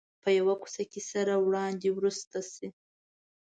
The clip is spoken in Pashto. په یوه کوڅه کې سره وړاندې ورسته شي.